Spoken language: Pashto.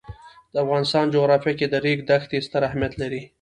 د افغانستان جغرافیه کې د ریګ دښتې ستر اهمیت لري.